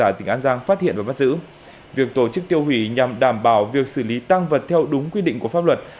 cơ quan tỉnh an giang phát hiện và bắt giữ việc tổ chức tiêu hủy nhằm đảm bảo việc xử lý tăng vật theo đúng quy định của pháp luật